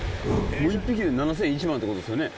１匹で７０００１万ってことですよね。